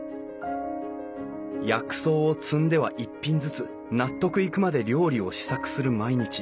薬草を摘んでは一品ずつ納得いくまで料理を試作する毎日。